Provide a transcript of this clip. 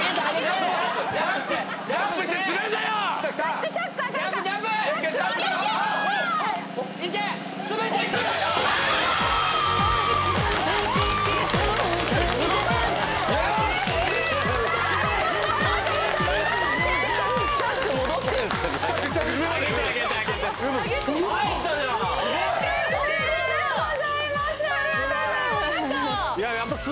うれしいありがとうございます